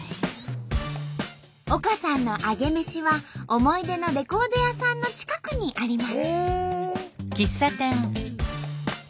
丘さんのアゲメシは思い出のレコード屋さんの近くにあります。